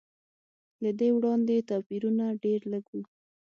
له دې وړاندې توپیرونه ډېر لږ و.